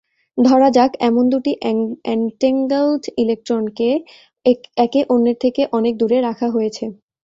ধরা যাক, এমন দুটি অ্যান্টেঙ্গেলড ইলেকট্রনকে একে অন্যের থেকে অনেক দূরে রাখা হয়েছে।